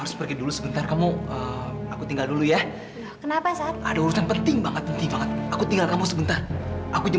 seperti inilah satria yang kuharapkan